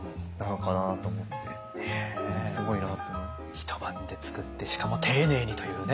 一晩で作ってしかも丁寧にというね。